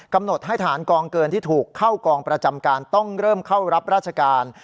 กำหนดให้ทหารกองเกินที่ถูกเข้ากองประจำการต้องเริ่มเข้ารับราชการ